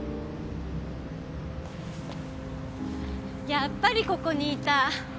やっぱりここにいた。